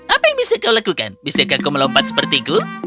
apa yang bisa kau lakukan bisakah kau melompat sepertiku